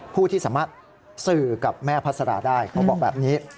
ผู้ที่สามารถสื่อกับแม่พัสราได้เขาบอกแบบนี้